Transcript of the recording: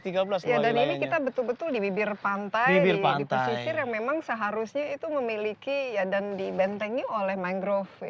dan ini kita betul betul di bibir pantai di pesisir yang memang seharusnya itu memiliki dan dibentengi oleh mangrove